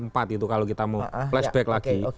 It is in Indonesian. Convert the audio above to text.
empat itu kalau kita mau flashback lagi